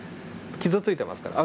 傷ついてますから。